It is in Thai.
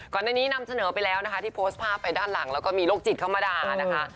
ในนี้นำเสนอไปแล้วนะคะที่โพสต์ภาพไปด้านหลังแล้วก็มีโรคจิตเข้ามาด่านะคะ